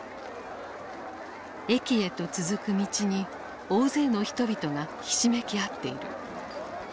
駅へと続く道に大勢の人々がひしめき合っている。